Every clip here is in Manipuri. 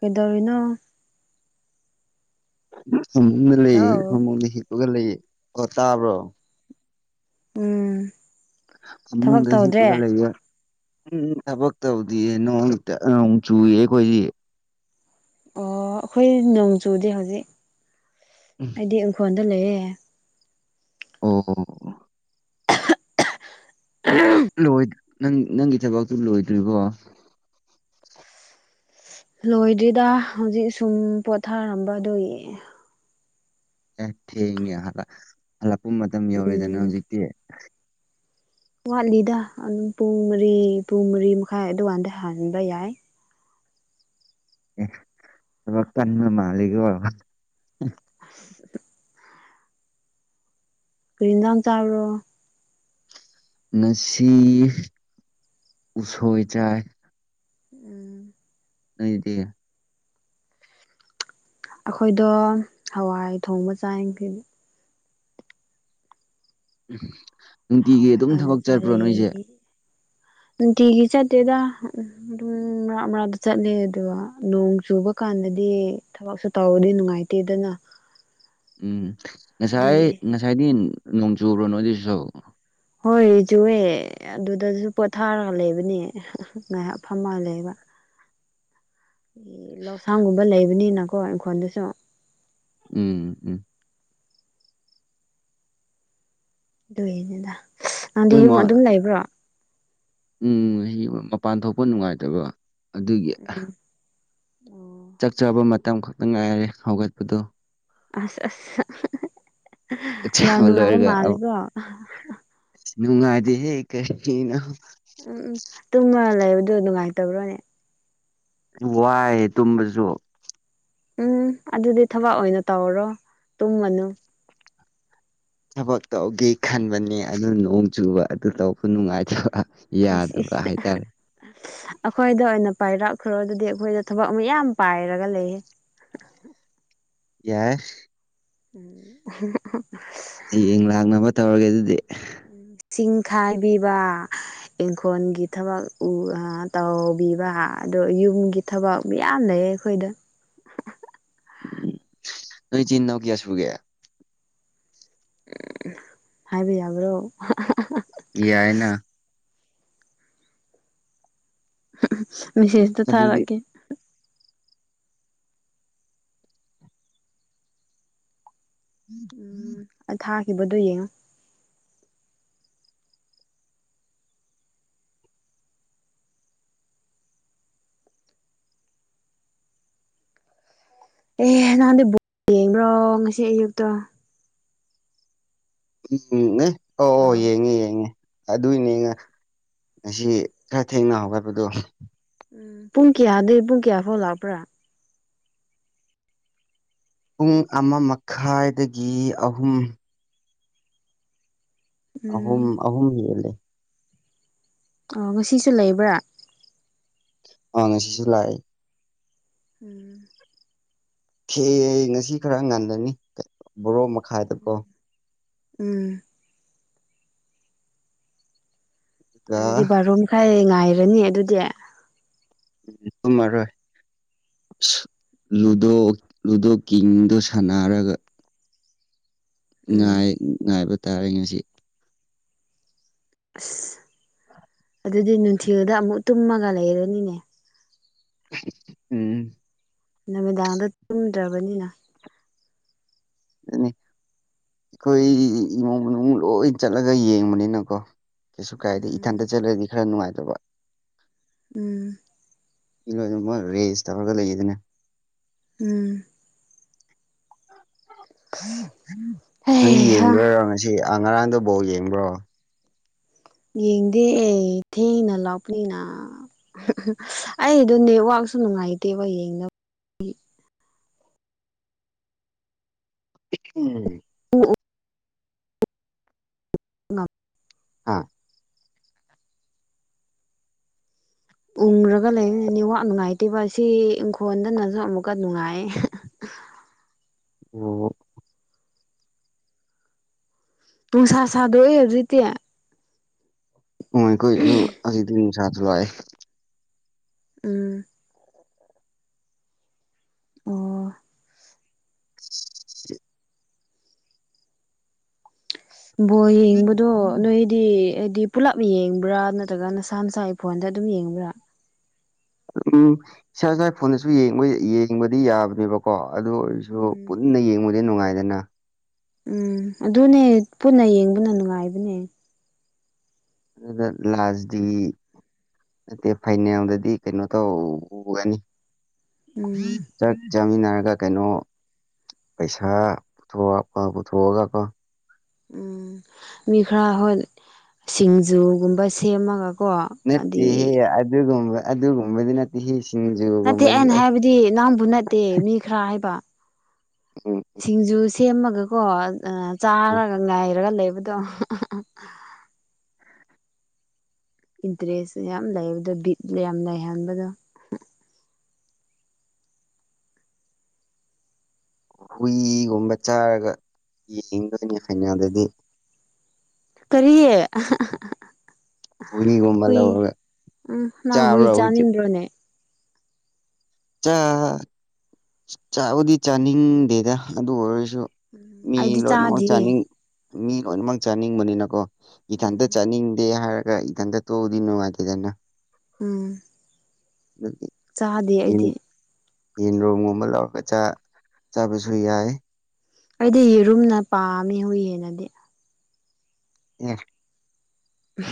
ꯀꯩꯗꯧꯔꯤꯅꯣ ꯐꯃꯨꯡꯗ ꯂꯩꯌꯦ ꯍꯜꯂꯣ ꯐꯃꯨꯡꯗ ꯍꯤꯞꯄꯒ ꯂꯩꯌꯦ ꯑꯣ ꯇꯥꯕ꯭ꯔꯣ ꯎꯝ ꯊꯕꯛ ꯐꯃꯨꯡꯗ ꯇꯧꯗ꯭ꯔꯦ ꯍꯤꯞꯄꯥꯒ ꯂꯩꯌꯦ ꯎꯝ ꯊꯕꯛ ꯇꯧꯗꯤꯌꯦ ꯅꯣꯡꯇ ꯅꯣꯡ ꯆꯨꯏꯌꯦ ꯑꯩꯈꯣꯏꯗꯤ ꯑꯣ ꯑꯩꯈꯣꯏ ꯅꯣꯡ ꯆꯨꯗꯦ ꯍꯧꯖꯤꯛ ꯑꯩꯗꯤ ꯏꯪꯈꯣꯜꯗ ꯂꯩꯌꯦ ꯑꯣ ꯑꯣ [unintelligible] ꯂꯣꯢꯗꯤ ꯅꯪꯒꯤ ꯊꯕꯛꯇꯨ ꯂꯣꯏꯗ꯭ꯔꯤꯕꯣ ꯂꯣꯏꯗ꯭ꯔꯤꯗ ꯍꯧꯖꯤꯛ ꯁꯨꯝ ꯄꯣꯊꯥꯔꯝꯕ ꯑꯗꯨꯒꯤ ꯑꯦ ꯊꯦꯡꯉꯦ ꯍꯜꯂꯛꯄ ꯃꯇꯝ ꯌꯧꯔꯦꯗꯅ ꯎꯝ ꯍꯧꯖꯤꯛꯇꯤ ꯋꯥꯠꯂꯤꯗ ꯑꯗꯨꯝ ꯄꯨꯡ ꯃꯔꯤ ꯄꯨꯡ ꯃꯔꯤ ꯃꯈꯥꯏ ꯑꯗꯨ ꯀꯥꯟꯗ ꯍꯟꯕ ꯌꯥꯏ ꯑꯦ ꯊꯕꯛ ꯀꯟꯕ ꯃꯥꯂꯤꯀꯣ [inaudible] ꯀꯔꯤ ꯍꯦꯟꯁꯡ ꯆꯕꯥꯔꯣ ꯉꯁꯤ ꯎꯁꯣꯏ ꯆꯥꯏ ꯎꯝ ꯅꯣꯏꯒꯤꯗꯤ ꯑꯩꯈꯣꯏꯗꯣ ꯍꯋꯥꯏ ꯊꯣꯡꯕ ꯆꯥꯏ ꯎ ꯅꯨꯡꯇꯤꯒꯤ ꯍꯋꯥꯏ ꯑꯗꯨꯝ ꯑꯣꯏꯅ ꯊꯕꯛ ꯆꯠꯄ꯭ꯔꯣ ꯆꯥꯔꯦ ꯅꯣꯏꯁꯦ꯫ ꯅꯨꯡꯇꯤꯒꯤ ꯆꯠꯇꯦꯗ꯫ ꯑꯗꯨꯝ ꯃꯔꯥ ꯃꯔꯥꯛꯇ ꯆꯠꯂꯦ ꯑꯗꯨꯒ ꯅꯣꯡ ꯆꯨꯕ ꯀꯥꯟꯗꯗꯤ ꯊꯕꯛꯁꯨ ꯇꯧꯕꯗꯤ ꯅꯨꯡꯉꯥꯏꯇꯦ ꯗꯅ ꯎꯝ ꯑꯗꯨꯏ ꯉꯁꯥꯏ ꯉꯁꯥꯏꯗꯤ ꯅꯣꯡ ꯆꯨꯕ꯭ꯔꯣ ꯅꯣꯏ ꯑꯗꯨꯁꯨ ꯍꯣꯏ ꯆꯨꯋꯦ꯫ ꯑꯗꯨꯗꯁꯨ ꯄꯣꯊꯥꯔꯒ ꯂꯩꯕꯅꯦ ꯉꯥꯏꯍꯥꯛ ꯐꯝꯃꯒ ꯂꯩꯕ꯫ ꯂꯧꯁꯥꯡꯒꯨꯝꯕ ꯂꯩꯕꯅꯤꯅꯀꯣ ꯏꯪꯈꯣꯜꯗꯁꯨ꯫ ꯎꯝ ꯎꯝ ꯑꯗꯨꯒꯤꯅꯤꯗ ꯅꯪꯗꯤ ꯅꯣꯏ ꯌꯨꯝ ꯃꯥ ꯑꯗꯨꯝ ꯂꯩꯕ꯭ꯔꯣ ꯑꯣ ꯎꯝ ꯃꯄꯥꯟ ꯊꯣꯛꯄ ꯅꯨꯡꯉꯥꯏꯇꯕ꯫ ꯑꯗꯨꯒꯤ꯫ ꯆꯥꯛ ꯆꯥꯕ ꯃꯇꯝ ꯈꯛꯇ ꯉꯥꯏꯔꯦ ꯍꯧꯒꯠꯄꯗꯣ꯫ ꯑꯁ ꯑꯁ ꯆꯥꯛ ꯌꯥꯝ ꯆꯥꯕ ꯅꯨꯡꯉꯥꯏꯕ ꯃꯥꯂꯦꯗ ꯅꯨꯪꯉꯥꯏꯇꯦꯍꯦ ꯀꯩꯁꯨ ꯎꯝ ꯎꯝ ꯇꯨꯡꯃ ꯂꯩꯕꯗꯣ ꯅꯨꯡꯉꯥꯏꯇꯕ꯭ꯔꯣꯅꯦ꯫ ꯋꯥꯏ ꯇꯨꯝꯕꯁꯨ ꯎꯝ ꯑꯗꯨꯗꯤ ꯊꯕꯛ ꯑꯣꯏꯅ ꯇꯧꯔꯣ ꯇꯨꯝꯃꯅꯨ ꯊꯕꯛ ꯇꯧꯒꯦ ꯈꯟꯕꯅꯦ ꯑꯗꯨ ꯅꯣꯡ ꯆꯨꯕ ꯑꯗꯨ ꯇꯧꯕ ꯅꯨꯡꯉꯥꯏꯇꯕ꯫ ꯏꯁ ꯏꯁ ꯌꯥꯗꯕ ꯍꯥꯏꯇꯥꯔꯦ ꯑꯩꯈꯣꯏꯗ ꯑꯣꯏꯅ ꯄꯥꯏꯔꯛꯈ꯭ꯔꯣ ꯑꯗꯨꯗꯤ ꯑꯩꯈꯣꯏꯗ ꯊꯕꯛ ꯃꯌꯥꯝ ꯄꯥꯏꯔꯒ ꯂꯩꯌꯦ꯫ ꯌꯥꯏ꯫ [unintelligible] ꯍꯌꯦꯡ ꯂꯥꯛꯅꯕ ꯇꯧꯔꯒꯦ ꯑꯗꯨꯗꯤ꯫ ꯆꯤꯡ ꯈꯥꯏꯕꯤꯕ ꯏꯪꯈꯣꯜꯒꯤ ꯊꯕꯛ ꯇꯧꯕꯤꯕ ꯑꯣ ꯌꯨꯝꯒꯤ ꯊꯕꯛ ꯃꯌꯥꯝ ꯂꯩꯌꯦ ꯑꯩꯈꯣꯏꯗ ꯎꯝ ꯅꯣꯏ ꯆꯤꯟ ꯅꯧ ꯀꯌꯥꯁꯨꯒꯦ ꯎꯝ ꯍꯥꯏꯕ ꯌꯥꯕ꯭ꯔꯣ ꯌꯥꯏꯅ꯫ ꯃꯤꯦꯁꯦꯁꯇ ꯑꯗꯨꯗꯤ ꯊꯥꯔꯛꯑꯒꯦ [unintelligible] ꯊꯥꯈꯤꯕꯗꯨꯣ ꯌꯦꯡꯉꯣ꯫ ꯑꯦ ꯅꯍꯥꯟꯗꯩ ꯕꯣ ꯌꯦꯡꯕ꯭ꯔꯣ ꯉꯁꯤ ꯑꯌꯨꯛꯇꯣ ꯎꯝꯅꯦ ꯑꯣ ꯑꯣ ꯎꯝ ꯌꯦꯡꯉꯦ ꯌꯦꯡꯉꯤ ꯑꯗꯨꯏꯅꯦ ꯉꯁꯤ ꯈꯔ ꯊꯦꯡꯅ ꯍꯧꯒꯠꯄꯗꯣ ꯄꯨꯡ ꯀꯌꯥꯗꯩ ꯄꯨꯡ ꯀꯌꯥ ꯐꯥꯎ ꯂꯥꯛꯄ꯭ꯔꯥ ꯄꯨꯡ ꯑꯃ ꯃꯈꯥꯏꯗꯒꯤ ꯑꯍꯨꯝ꯫ ꯎꯝ ꯑꯍꯨꯝ ꯑꯍꯨꯝ ꯍꯦꯜꯂꯦ꯫ ꯑꯣ ꯉꯁꯤꯁꯨ ꯂꯩꯕ꯭ꯔꯥ꯫ ꯑꯪ ꯉꯥꯁꯤꯁꯨ ꯂꯥꯛꯑꯦ ꯎꯝ꯫ ꯊꯦ ꯉꯁꯤ ꯈꯔ ꯉꯜꯂꯅꯤ ꯕꯥꯔꯣ ꯃꯈꯥꯏꯗꯀꯣ꯫ ꯎꯝ꯫ ꯑꯗꯨꯒ ꯑꯗꯨꯗꯤ ꯕꯥꯔꯣ ꯃꯈꯥꯏ ꯉꯥꯏꯔꯅꯤ ꯑꯗꯨꯗꯤ ꯎꯝ ꯇꯨꯝꯃꯔꯣꯏ꯫ ꯂꯨꯗꯣ ꯂꯨꯗꯣ ꯀꯤꯡꯗꯣ ꯁꯥꯟꯅꯔꯒ꯫ ꯎꯝ ꯉꯥꯏ ꯉꯥꯏꯕ ꯇꯥꯔꯦ ꯉꯁꯤ꯫ ꯑꯁ ꯑꯗꯨꯗꯤ ꯅꯨꯡꯊꯤꯜꯗ ꯑꯃꯨꯛ ꯇꯨꯝꯃꯒ ꯂꯩꯔꯅꯤꯅꯦ꯫ ꯎꯝ꯫ ꯅꯨꯃꯤꯗꯥꯡꯗ ꯇꯨꯝꯗ꯭ꯔꯕꯅꯤꯅ꯫ ꯑꯗꯨꯅꯦ ꯑꯩꯈꯣꯏ ꯏꯃꯨꯡ ꯃꯅꯨꯡ ꯂꯣꯏ ꯆꯠꯂꯒ ꯌꯦꯡꯕꯅꯤꯅꯀꯣ꯫ ꯀꯩꯁꯨ ꯀꯥꯏꯗꯦ ꯎꯝ ꯏꯊꯟꯇ ꯆꯠꯂꯗꯤ ꯈꯔ ꯅꯨꯡꯉꯥꯏꯇꯕ ꯎꯝ ꯃꯤ ꯂꯣꯏꯅꯃꯛ ꯔꯦꯁ ꯇꯧꯔꯒ ꯂꯩꯔꯤꯗꯨꯅꯦ꯫ ꯎꯝ ꯅꯪꯗꯤ ꯍꯩꯍꯥ ꯌꯦꯡꯗꯣꯏꯔꯣ ꯉꯁꯤ ꯑ ꯉꯔꯥꯡꯗꯣ ꯕꯜꯂ ꯌꯦꯡꯕ꯭ꯔꯣ ꯌꯦꯡꯗꯦ ꯊꯦꯡꯅ ꯂꯥꯎꯄꯅꯤꯅ꯫ ꯑꯩꯗꯣ ꯅꯦꯠꯋꯥꯛꯁꯨ ꯅꯨꯡꯉꯥꯏꯇꯦꯕ ꯌꯦꯡꯅꯕ꯫ ꯎꯝ ꯎꯝ [unintelligible] ꯍꯥꯥ ꯎꯔꯒ ꯂꯩꯔꯤꯅꯤ ꯋꯥ ꯅꯨꯡꯉꯥꯏꯇꯦꯕ ꯑꯁꯤ ꯏꯪꯈꯣꯜꯗꯅꯁꯨ ꯑꯃꯨꯛꯀ ꯅꯨꯡꯉꯥꯏ ꯑꯣ ꯅꯨꯡꯁꯥ ꯁꯥꯗꯣꯛꯑꯦ ꯍꯧꯖꯤꯛꯇꯤ꯫ ꯎꯝ ꯑꯩꯈꯣꯏꯁꯨ ꯍꯧꯖꯤꯛꯇꯤ ꯅꯨꯡꯁꯥꯁ ꯊꯣꯛꯂꯛꯑꯦ꯫ ꯎꯝ ꯑꯣ ꯕꯣꯜ ꯌꯦꯡꯕꯗꯣ ꯅꯣꯏ ꯗꯤ ꯍꯥꯏꯗꯤ ꯄꯨꯂꯞ ꯌꯦꯡꯕ꯭ꯔꯥ ꯅꯠꯇ꯭ꯔꯒ ꯅꯁꯥ ꯅꯁꯥꯒꯤ ꯐꯣꯟꯗ ꯑꯗꯨꯝ ꯌꯦꯡꯕ꯭ꯔꯥ ꯎꯝ ꯏꯁꯥ ꯏꯁꯥ ꯐꯣꯟꯗꯁꯨ ꯌꯦꯡꯕ ꯌꯦꯡꯕꯗꯤ ꯌꯥꯕꯅꯦꯕꯀꯣ ꯀꯣ ꯑꯗꯨ ꯑꯣꯏꯔꯁꯨ ꯎꯝ ꯄꯨꯟꯅ ꯌꯦꯡꯕꯗꯤ ꯅꯨꯡꯉꯥꯏꯗꯅ ꯎꯝ ꯑꯗꯨꯅꯦ ꯄꯨꯟꯅ ꯌꯦꯡꯕꯅ ꯅꯨꯡꯉꯥꯏꯕꯅꯦ ꯑꯗꯨ ꯂꯥꯁꯗꯤ ꯅꯠꯇꯦ ꯐꯥꯏꯅꯦꯜꯗꯗꯤ ꯀꯩꯅꯣ ꯇꯧꯒꯅꯤ ꯎꯝ ꯆꯥꯛ ꯆꯥꯃꯤꯟꯅꯔꯒ ꯀꯩꯅꯣ ꯄꯩꯁꯥ ꯄꯨꯊꯣꯛꯄ ꯄꯨꯊꯣꯛꯑꯒꯀꯣ ꯎꯝ ꯃꯤ ꯈꯔ ꯍꯣꯏ ꯁꯤꯡꯖꯨꯒꯨꯝꯕ ꯁꯦꯝꯃꯒ ꯅꯠꯇꯦ ꯍꯦ ꯑꯗꯨꯒꯨꯝꯕ ꯑꯗꯨꯒꯨꯝꯕꯗꯤ ꯅꯠꯇꯦ ꯍꯤ ꯁꯤꯡꯁꯨꯨ ꯅꯠꯇꯦ ꯑꯩꯅ ꯍꯥꯏꯕꯗꯤ ꯅꯪꯕꯨ ꯅꯠꯇꯦ ꯃꯤ ꯈꯔ ꯍꯥꯏꯕ ꯑꯣ ꯑꯣ ꯁꯤꯡꯖꯨ ꯁꯦꯝꯃꯒꯀꯣ ꯆꯥꯔꯒ ꯉꯥꯏꯔꯒ ꯂꯩꯕꯗꯣ ꯏꯟꯇꯔꯦꯁ ꯌꯥꯝ ꯂꯩꯕꯗꯣ ꯕꯤꯠ ꯌꯥꯝ ꯂꯩꯍꯟꯕꯗꯣ ꯍꯨꯏꯒꯨꯝꯕ ꯆꯥꯔꯒ ꯌꯦꯡꯗꯣꯏꯅꯤ ꯍꯩꯅꯗꯔꯗꯤ ꯀꯔꯤꯌꯦꯦ ꯍꯨꯏꯒꯨꯝꯕ ꯂꯧꯔꯒ ꯎꯝ ꯅꯪ ꯍꯨꯏ ꯆꯥꯅꯤꯡꯕꯔꯅꯦ ꯆꯥꯕꯨꯗꯤ ꯆꯥꯅꯤꯡꯗꯦꯗ ꯑꯗꯨ ꯑꯣꯏꯔꯁꯨ ꯃꯤ ꯑꯩꯗꯤ ꯂꯣꯏꯅꯃꯛ ꯆꯥꯗꯤꯌꯦ ꯆꯥꯅꯤꯡꯉꯤ ꯃꯤ ꯂꯣꯏꯅꯃꯛ ꯆꯥꯅꯤꯡꯕꯅꯤꯅꯀꯣ ꯏꯊꯟꯇ ꯎꯝ ꯆꯥꯅꯤꯡꯗꯦ ꯍꯥꯏꯔ ꯏꯟ ꯇꯣꯗꯤꯅꯣ ꯍꯥꯏꯗꯅ ꯎꯝ ꯗꯨꯗꯤ ꯆꯥꯗꯦ ꯑꯩꯗꯤ ꯌꯦꯟꯔꯨꯝꯝꯒꯨꯝꯕ ꯂꯧꯔꯒ ꯆꯥꯕꯁꯨ ꯌꯥꯏ ꯑꯩꯗꯤ ꯌꯦꯔꯨꯝꯅ ꯄꯥꯝꯃꯤ ꯍꯨꯏꯗꯒꯤꯗꯤ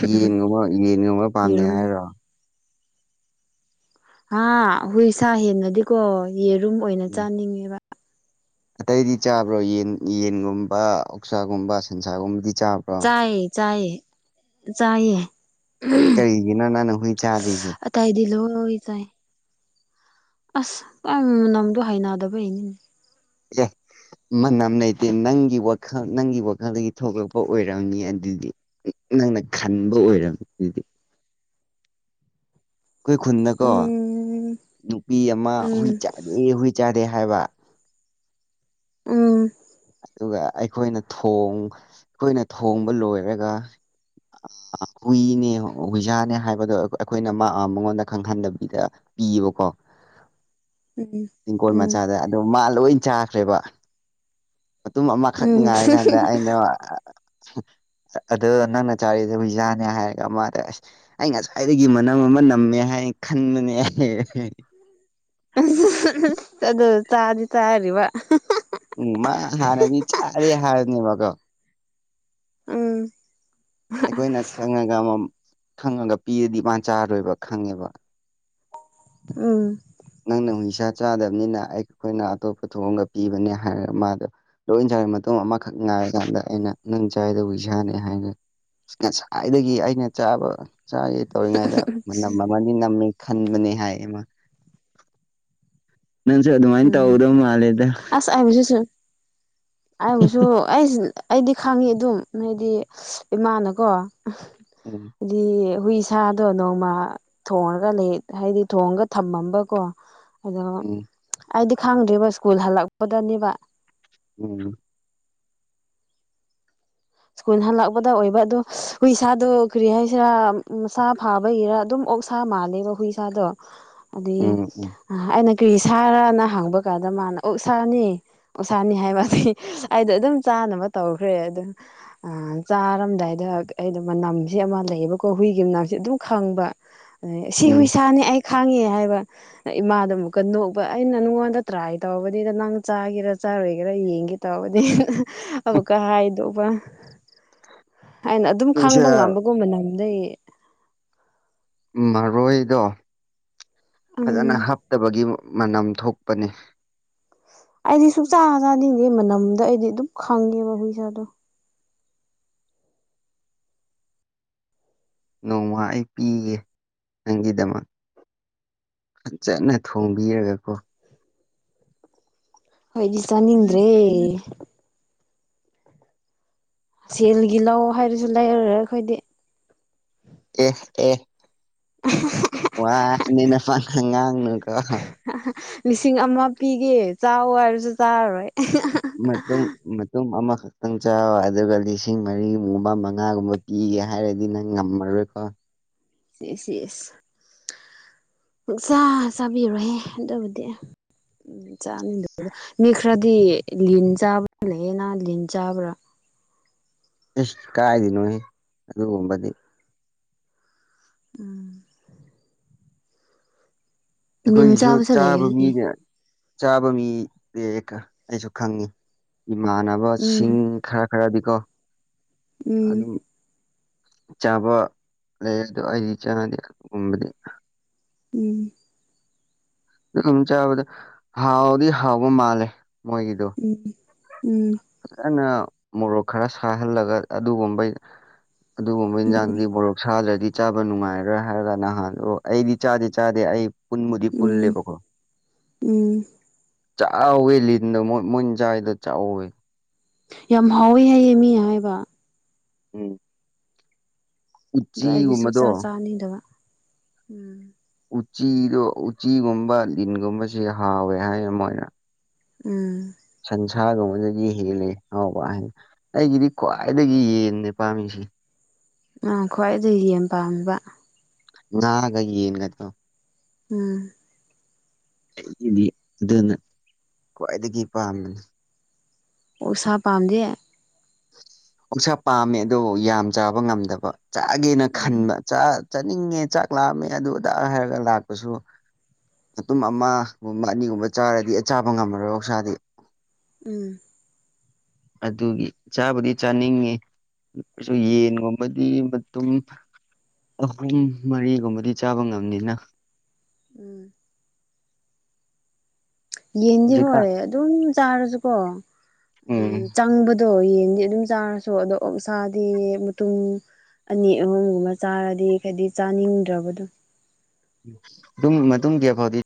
ꯑꯦ ꯌꯦꯟꯒꯨꯝꯕ ꯌꯦꯟꯒꯨꯝꯕ ꯄꯥꯝꯗꯦ ꯌꯦꯔꯨꯝ ꯍꯥꯏꯔꯣ ꯍꯥꯥ ꯍꯨꯏ ꯁꯥ ꯍꯦꯟꯅꯗꯤꯀꯣ ꯌꯦꯔꯨꯝ ꯑꯣꯏꯅ ꯎꯝ ꯆꯥꯅꯤꯡꯉꯦꯕ ꯑꯇꯩꯗꯤ ꯆꯥꯕ꯭ꯔꯣ ꯌꯦꯟ ꯌꯦꯟꯒꯨꯝꯕ ꯑꯣꯛꯁꯥꯒꯨꯝꯕ ꯁꯟꯁꯥꯒꯨꯝꯕꯗꯤ ꯆꯥꯕ꯭ꯔꯣ ꯌꯥꯥꯏꯌꯦ ꯌꯥꯥꯏꯌꯦ ꯌꯥꯌꯦ ꯀꯔꯤꯒꯤꯅꯣ ꯅꯪꯅ ꯍꯨꯏ ꯆꯥꯗ꯭ꯔꯤꯁꯦ ꯑ ꯇꯥꯏꯗꯤ ꯂꯅ ꯑꯣꯏ ꯆꯥꯏ ꯑꯁ ꯑꯩ ꯃꯅꯝꯗꯣ ꯍꯩꯅꯗꯕꯩꯅꯤꯅꯦ ꯑ ꯃꯅꯝ ꯂꯩꯇꯦ ꯅꯪꯒꯤ ꯋꯥꯈꯜ ꯅꯪꯒꯤ ꯋꯥꯈꯜꯗꯒꯤ ꯊꯣꯛꯂꯛꯄ ꯑꯣꯏꯔꯝꯅꯤ ꯑꯗꯨꯗꯤ ꯅꯪꯅ ꯈꯟꯕ ꯑꯣꯏꯔꯝꯃꯤ ꯑꯗꯨꯗꯤ ꯑꯩꯈꯣꯏ ꯈꯨꯟꯅꯀꯣ ꯎꯝ ꯅꯨꯄꯤ ꯑꯃ ꯎꯝ ꯍꯨꯏ ꯆꯥꯗꯦ ꯍꯨꯏ ꯆꯥꯗꯦ ꯍꯥꯏꯕ ꯎꯝ ꯑꯗꯨꯒ ꯑꯩꯈꯣꯏꯅ ꯊꯣꯡ ꯑꯩꯈꯣꯏꯅ ꯊꯣꯡꯕ ꯂꯣꯏꯔꯒ ꯍꯨꯏꯅꯦ ꯍꯨꯏꯁꯥꯅꯦ ꯍꯥꯏꯕꯗꯣ ꯑꯩꯈꯣꯏꯅ ꯃꯉꯣꯟꯗ ꯈꯪꯍꯟꯗꯕꯤꯗ ꯄꯤꯌꯦꯕꯀꯣ [unintelligible] ꯇꯤꯡꯀꯣꯠ ꯎꯝ ꯃꯆꯥꯗ ꯑꯗꯣ ꯃꯥ ꯂꯣꯏ ꯆꯥꯈ꯭ꯔꯦꯕ ꯑꯗꯨꯝ ꯑꯃꯈꯛ ꯎꯝ ꯉꯥꯏ ꯀꯥꯟꯗ ꯑꯩꯅ ꯑꯗꯣ ꯅꯪꯅ ꯆꯥꯔꯤꯗꯨ ꯍꯨꯏꯁꯥꯅꯦ ꯍꯥꯏꯔꯒ ꯃꯥꯗ ꯑꯁ ꯑꯩ ꯉꯁ꯭ꯋꯥꯏꯗꯒꯤ ꯃꯅꯝ ꯑꯃ ꯅꯝꯃꯦ ꯍꯥꯏꯅ ꯈꯟꯕꯅꯦ ꯑꯩ ꯑꯗꯨ ꯇꯥꯗꯤ ꯇꯥꯔꯤꯕ ꯎꯝ ꯃꯥ ꯍꯥꯟꯅꯅꯤ ꯆꯥꯔꯦ ꯍꯥꯏꯔꯅꯦꯕꯀꯣ ꯎꯝ ꯑꯩꯈꯣꯏꯅ ꯈꯪꯉꯒ ꯑꯃꯃꯝ ꯈꯪꯉꯒ ꯄꯤꯔꯗꯤ ꯏ ꯃꯥꯥꯟ ꯆꯥꯔꯔꯣꯏꯕ ꯈꯪꯉꯦꯕ ꯎꯝ ꯅꯪꯅ ꯍꯨꯏꯁꯥ ꯆꯥꯗꯕꯅꯤꯅ ꯑꯩ ꯑꯩꯈꯣꯏꯅ ꯑꯇꯣꯞꯄ ꯊꯣꯡꯒ ꯄꯤꯕꯅꯦ ꯍꯥꯏꯔꯒ ꯃꯥꯗꯣ ꯂꯣꯏ ꯆꯥꯏ ꯃꯇꯣꯡ ꯑꯃꯈꯛ ꯉꯥꯏꯔꯀꯥꯟꯗ ꯑꯩꯅ ꯅꯪ ꯆꯥꯏꯗꯣ ꯍꯨꯏꯁꯥꯅꯤ ꯍꯥꯏꯅ ꯉꯁꯥꯏꯗꯒꯤ ꯑꯩꯅ ꯆꯥꯕ ꯆꯥ ꯇꯧꯔꯤꯉꯩꯗ ꯃꯅꯝ ꯑꯃꯅꯤ ꯅꯝꯃꯦ ꯈꯟꯕꯅꯦ ꯍꯥꯏꯃ ꯅꯪꯁꯨ ꯑꯗꯨꯃꯥꯏꯅ ꯇꯧꯗꯧ ꯃꯥꯜꯂꯦꯗ ꯑꯕꯨꯁꯨꯁꯨ ꯑꯩꯕꯨꯁꯨ ꯑꯩ ꯑꯩꯗꯤ ꯈꯪꯉꯤ ꯑꯗꯨꯝ ꯍꯥꯏꯗꯤ ꯏꯃꯥꯅꯀꯣ ꯎꯝ ꯍꯥꯏꯗꯤ ꯍꯨꯏ ꯁꯥꯗꯣ ꯅꯣꯡꯃ ꯊꯣꯡꯉꯒ ꯂ ꯍꯥꯏꯗꯤ ꯊꯣꯡꯉꯒ ꯊꯝꯃꯝꯕꯀꯣ ꯑꯗꯨꯒ ꯎꯝ ꯑꯩꯗꯤ ꯈꯪꯗ꯭ꯔꯤꯕ ꯁ꯭ꯀꯨꯜ ꯍꯜꯂꯛꯄꯗꯅꯦꯕ ꯎꯝ ꯁ꯭ꯀꯨꯜ ꯍꯜꯂꯛꯄꯗ ꯑꯣꯏꯕ ꯑꯗꯨꯣ ꯍꯏ ꯏꯁꯥꯗ ꯀꯔꯤ ꯍꯥꯏꯁꯤꯔꯥ ꯃꯁꯥ ꯐꯥꯕꯒꯤꯔꯥ ꯑꯗꯨꯝ ꯁꯥ ꯃꯥꯜꯂꯦꯕ ꯍꯨꯏ ꯁꯥꯗꯣ ꯑꯗꯨꯗꯤ ꯎꯝ ꯎꯝ ꯑ ꯑꯩꯅ ꯀꯩ ꯁꯥꯔꯅ ꯍꯡꯕ ꯀꯥꯟꯗ ꯃꯥꯅ ꯑꯣꯛ ꯁꯥꯅꯤ ꯎꯁꯥꯅꯤ ꯍꯥꯏꯕꯗꯤ ꯑꯩꯗꯣ ꯑꯗꯨꯝ ꯆꯥꯅꯕ ꯇꯧꯈ꯭ꯔꯦ ꯑꯗꯨ ꯑ ꯆꯥꯔꯝꯗꯥꯏꯗ ꯑꯩꯗ ꯃꯅꯝꯁꯤ ꯑꯃ ꯂꯩꯌꯦꯕꯀꯣ ꯍꯨꯏꯒꯤ ꯃꯅꯝꯁꯤ ꯑꯗꯨꯝ ꯈꯪꯕ ꯑꯦ ꯁꯤ ꯎꯝ ꯍꯨꯏꯁꯥꯅꯦ ꯑꯩ ꯈꯥꯡꯉꯦ ꯍꯥꯏꯕ ꯏꯃꯥꯗ ꯑꯃꯨꯛꯀ ꯅꯣꯛꯄ ꯑꯩꯅ ꯅꯉꯣꯟꯗ ꯇ꯭ꯔꯥꯏ ꯇꯧꯕꯅꯤꯗ ꯅꯪ ꯆꯥꯒꯦꯔꯥ ꯆꯥꯔꯣꯏꯒꯦꯔꯥ ꯌꯦꯡꯒꯦ ꯇꯕꯗꯤ ꯑꯃꯛꯀ ꯍꯥꯏꯗꯧꯕ ꯍꯥꯏꯅ ꯑꯗꯨꯝ ꯄꯨꯡꯁꯦ ꯈꯪꯕ ꯉꯝꯕ ꯅꯍꯥꯟꯗꯩ ꯃꯔꯣꯏꯗꯣ ꯎꯝ ꯐꯖꯅ ꯍꯥꯞꯇꯕꯒꯤ ꯃꯅꯝ ꯊꯣꯛꯄꯅꯤ ꯑꯩꯗꯤ ꯁꯨꯡꯆꯥ ꯆꯥꯅꯤꯡꯗꯦ ꯃꯅꯝꯗ ꯑꯩꯗꯤ ꯑꯗꯨꯝ ꯈꯪꯉꯦꯕ ꯍꯨꯏ ꯁꯥꯗꯣ ꯅꯣꯡꯃ ꯑꯩ ꯄꯤꯒꯦ ꯅꯪꯒꯤꯗꯃꯛ ꯆꯠꯅ ꯊꯣꯡꯕꯤꯔꯒꯀꯣ ꯍꯣꯏꯒꯤ ꯆꯅꯤꯗ꯭ꯔꯦ ꯁꯦꯜꯒꯤ ꯂꯧ ꯍꯥꯏꯔꯁꯨ ꯂꯩꯔꯨꯔꯦ ꯑꯩꯈꯣꯏꯗꯤ ꯑꯦ ꯑꯦ ꯋꯥꯅꯤꯅꯦ ꯐ ꯉꯥꯡꯅꯨ ꯀꯣ ꯂꯤꯁꯤꯡ ꯑꯃ ꯄꯤꯒꯦ ꯆꯥꯎ ꯍꯥꯏꯔꯁꯨ ꯆꯥꯔꯔꯣꯏ ꯃ ꯃ ꯃꯃ ꯅꯪ ꯆꯥꯎ ꯑꯗꯨꯒ ꯂꯤꯁꯤꯡ ꯃꯔꯤꯒꯨꯝꯕ ꯃꯉꯥꯒꯨꯝꯕ ꯄꯤꯒꯦ ꯍꯥꯏꯔꯗꯤ ꯅꯪ ꯉꯝꯃꯔꯣꯏꯀꯣ ꯌꯦꯁ ꯌꯦꯁ ꯆ ꯆꯥꯕꯤꯔꯣꯍꯦ ꯑꯗꯨꯕꯨꯗꯤ ꯎꯝ ꯆꯥꯅꯤꯡꯗꯕꯗ ꯃꯤ ꯈꯔꯗꯤ ꯂꯤꯟ ꯆꯥꯕ ꯂꯩꯌꯦꯅ ꯂꯤꯟ ꯆꯥꯕ꯭ꯔꯥ ꯑꯦ ꯀꯥꯏꯗꯅꯣ ꯑꯗꯨꯒꯨꯝꯕꯗꯤ ꯎꯝ ꯂꯤꯟ ꯑꯩꯈꯣꯏꯁꯤꯁꯨ ꯆꯥꯕꯁꯨ ꯆꯥꯕ ꯂꯩꯕꯅꯦ ꯃꯤꯅꯦ ꯆꯥꯕ ꯃꯤ ꯑꯩꯁꯨ ꯈꯪꯉꯤ ꯎꯝ ꯏꯃꯥꯟꯅꯕꯁꯤꯡ ꯈꯔ ꯈꯔꯗꯤꯀꯣ ꯎꯝ ꯑꯗꯨꯝ ꯆꯥꯕ ꯂꯩ ꯑꯗꯨꯣ ꯑꯩꯗꯤ ꯆꯥꯅꯗꯦ ꯑꯗꯨꯒꯨꯝꯕꯗꯤ ꯎꯝ ꯑꯗꯨꯝ ꯆꯥꯕꯗ ꯍꯥꯎꯗꯤ ꯍꯥꯎꯕ ꯃꯥꯜꯂꯦ ꯃꯣꯏꯒꯤꯗꯣ ꯎꯝ ꯎꯝ ꯐꯖꯅ ꯃꯣꯔꯣꯛ ꯈꯔ ꯁꯥꯍꯜꯂꯒ ꯑꯗꯨꯒꯨꯝꯕ ꯑꯗꯨꯒꯨꯝꯕ ꯎꯝ ꯏꯟꯖꯥꯡꯗꯤ ꯃꯣꯔꯣꯛ ꯁꯥꯗ꯭ꯔꯗꯤ ꯆꯥꯕ ꯅꯨꯡꯉꯥꯏꯔꯔꯣꯏ ꯍꯥꯏꯔꯒ ꯅꯍꯥꯟ ꯑꯩꯗꯤ ꯆꯥꯗꯦ ꯆꯥꯗꯦ ꯑꯩ ꯄꯨꯟꯕꯗꯤ ꯎꯝ ꯄꯨꯜꯂꯦꯕꯀꯣ꯫ ꯎꯝ ꯆꯥꯛꯑꯧꯋꯦ ꯂꯤꯗꯣꯏ ꯃꯣꯏ ꯆꯗ ꯆꯥꯛꯑꯧꯋꯦ꯫ ꯌꯥꯝ ꯍꯥꯎꯋꯦ ꯍꯥꯏꯌꯦ ꯃꯤ ꯍꯥꯏꯕ꯫ ꯎꯝ꯫ ꯑꯗꯣ ꯑꯩꯗꯤ ꯁꯨꯡꯛꯆꯥ ꯎꯆꯤꯒꯨꯝꯕꯗꯣ ꯆꯥꯅꯤꯡꯗꯕ ꯎꯝ꯫ ꯎꯆꯤꯗꯣ ꯎꯆꯤꯒꯨꯝꯕ ꯂꯤꯟꯒꯨꯝꯕ ꯂꯤꯟꯒꯨꯝꯕꯁꯦ ꯍꯥꯎꯋꯦ ꯍꯥꯏ ꯃꯣꯏꯅ꯫ ꯎꯝ꯫ ꯁꯟꯁꯥꯒꯨꯝꯕꯗꯒꯤ ꯍꯦꯜꯂꯦ ꯑꯥꯎꯕ ꯍꯥꯏꯅ ꯑꯩꯒꯤꯗꯤ ꯈ꯭ꯋꯥꯏꯗꯒꯤ ꯌꯦꯟꯟꯅꯦ ꯄꯥꯝꯃꯤꯁꯦ꯫ ꯑ ꯈ꯭ꯋꯥꯏꯗꯒꯤ ꯌꯦꯟ ꯄꯥꯝꯃꯦꯕ꯫ ꯉꯥꯒ ꯌꯦꯟꯒꯗꯣ꯫ ꯎꯝ꯫ ꯑꯩꯒꯤꯗꯤ ꯑꯗꯨꯅ ꯈ꯭ꯋꯥꯏꯗꯒꯤ ꯄꯥꯝꯕꯅꯤ꯫ ꯑꯣꯁꯥ ꯄꯥꯝꯗꯦ꯫ ꯑꯣꯁꯥ ꯄꯥꯝꯃꯦ ꯑꯗꯨꯕꯨ ꯌꯥꯝ ꯆꯥꯕ ꯉꯝꯗꯕ ꯆꯥꯒꯦꯅ ꯎꯝ ꯈꯟꯕ꯫ ꯆꯥꯛ ꯆꯥꯅꯤꯡꯉꯦ ꯆꯥꯛ ꯂꯥꯝꯃꯦ ꯑꯗꯨ ꯑꯗꯥ ꯍꯥꯏꯔꯒ ꯂꯥꯛꯄꯁꯨ꯫ ꯃꯗꯨꯨꯝ ꯑꯃꯒꯨꯝꯕ ꯑꯅꯤꯒꯨꯝꯕ ꯆꯥꯔꯗꯤ ꯆꯥꯕ ꯉꯝꯃꯔꯣꯏ ꯑꯣꯛꯁꯥꯗꯤ꯫ ꯎꯝ꯫ ꯑꯗꯨꯒꯤ ꯆꯥꯕꯨꯗꯤ ꯆꯥꯅꯤꯡꯉꯤ ꯑꯗꯨꯁꯨ ꯌꯦꯟꯒꯨꯝꯕꯗꯤ ꯃꯇꯨꯝ꯫ ꯑꯍꯨꯝ ꯃꯔꯤꯒꯨꯝꯕꯗꯤ ꯆꯥꯕ ꯉꯝꯅꯤꯅ꯫ ꯎꯝ꯫ ꯌꯦꯟꯗꯤ ꯍꯣꯏ ꯍꯧꯖꯤꯛꯀꯥꯟ ꯑꯗꯨꯝ ꯆꯥꯔꯁꯨꯀꯣ ꯍꯥꯏꯗꯤ ꯎꯝ ꯆꯪꯕ꯫ ꯑꯗꯣ ꯌꯦꯟꯗꯤ ꯑꯗꯨꯝ ꯆꯥꯔꯁꯨ ꯑꯗꯣ ꯑꯣꯛꯁꯥꯥꯗꯤ ꯃꯇꯨꯝ꯫ ꯑꯅꯤ ꯑꯍꯨꯝꯒꯨꯝꯕ ꯆꯥꯔꯗꯤ ꯍꯥꯏꯗꯤ ꯆꯥꯅꯤꯡꯗ꯭ꯔꯕꯗꯣ꯫ ꯗꯨꯝ ꯃꯥꯇꯨꯡ ꯀꯌꯥꯐꯥꯎꯗꯤ꯫